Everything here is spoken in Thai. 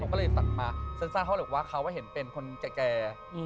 ก็เลยตัดมาสั้นเขาเลยบอกว่าเขาเห็นเป็นคนแก่